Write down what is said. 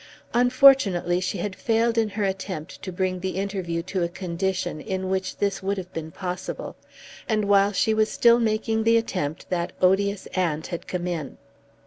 Unfortunately she had failed in her attempt to bring the interview to a condition in which this would have been possible, and while she was still making the attempt that odious aunt had come in.